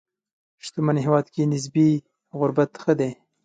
شتمن هېواد کې نسبي غربت ښه دی.